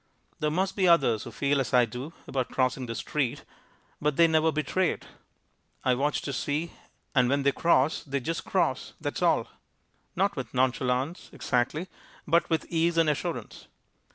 There must be others who feel as I do about crossing the street, but they never betray it. I watch to see and when they cross, they just cross that's all. Not with nonchalance exactly, but with ease and assurance.